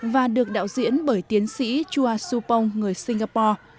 và được đạo diễn bởi tiến sĩ chua su pong người singapore